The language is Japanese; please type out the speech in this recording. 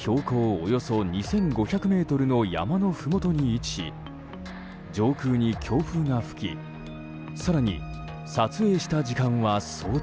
およそ２５００ｍの山のふもとに位置し上空に強風が吹き更に撮影した時間は早朝。